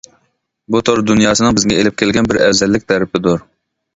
بۇ تور دۇنياسىنىڭ بىزگە ئېلىپ كەلگەن بىر ئەۋزەللىك تەرىپىدۇر.